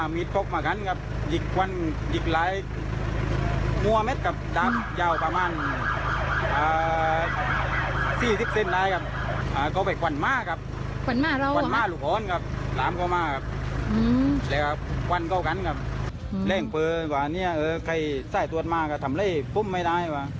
ไม่เห็นหน้าเลยนะ